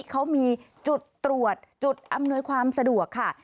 เขามีจุดตรวจจุดอำนวยความสะดวกค่ะ